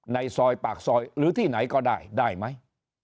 ในซอยปากซอยหรือที่ไหนก็ได้ได้ไหม